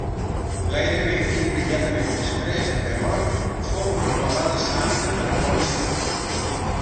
Gairebé immediatament després d'haver mort, fou proclamada santa per aclamació.